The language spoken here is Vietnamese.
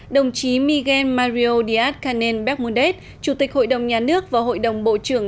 đồng chí miguel mario díaz canel becmundet chủ tịch hội đồng nhà nước và hội đồng bộ trưởng